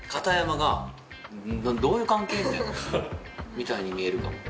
みたいに見えるかも。